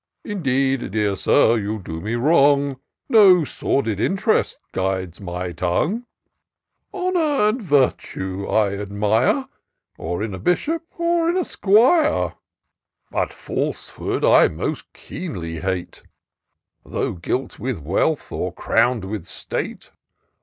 Indeed, dear Sir, you do me wrong ; No sordid interest guides my tongue : Honour and virtue I admire. Or in a bishop or a, 'squire ; But falsehood I most keenly hate, Tho' gilt with wealth, or crown'd with state.